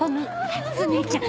初音ちゃん